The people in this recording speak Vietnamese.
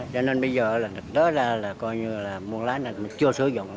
cho nên bây giờ là thực tế ra là coi như là mua lái này chưa sử dụng